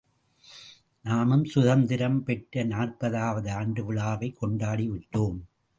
நாமும் சுதந்திரம் பெற்ற நாற்பதாவது ஆண்டு விழாவைக் கொண்டாடி விட்டோம்.